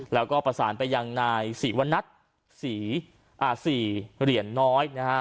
แล้วก็ประสานไปยังนายศรีวนัทศรีเหรียญน้อยนะฮะ